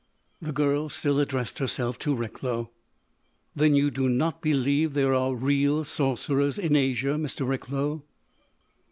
The girl still addressed herself to Recklow: "Then you do not believe there are real sorcerers in Asia, Mr. Recklow?"